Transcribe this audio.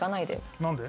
何で？